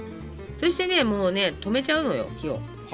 そしてねもうね止めちゃうのよ火を。